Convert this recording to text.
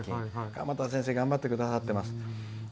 鎌田先生頑張ってくださっています。